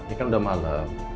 ini kan udah malem